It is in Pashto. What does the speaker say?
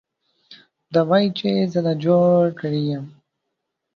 ته وایې چې زه تا جوړ کړی یم